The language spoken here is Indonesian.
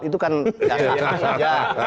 itu kan boleh boleh saja